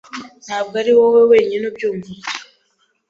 Ntabwo ari wowe wenyine ubyumva utyo.